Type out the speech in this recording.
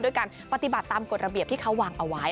การปฏิบัติตามกฎระเบียบที่เขาวางเอาไว้